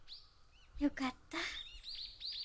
よかった。